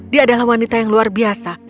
dia adalah wanita yang luar biasa